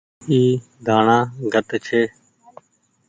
اي ڌڻآ گھٽ ڇي۔